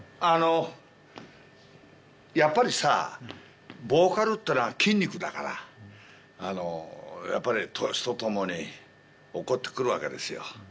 あのやっぱりさボーカルってのは筋肉だからあのやっぱり年とともに落っこってくるわけですよ